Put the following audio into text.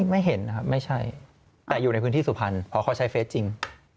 ไม่เห็นนะครับไม่ใช่แต่อยู่ในพื้นที่สุพรรณเพราะเขาใช้เฟสจริง